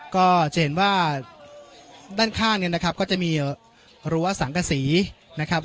ก็จะเห็นว่าด้านข้างเนี่ยนะครับก็จะมีรั้วสังกษีนะครับ